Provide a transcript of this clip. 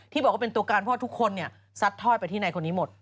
บอกว่าเป็นตัวการเพราะทุกคนซัดทอดไปที่ในคนนี้หมด